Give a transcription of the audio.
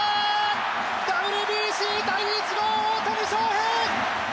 ＷＢＣ第１号大谷翔平！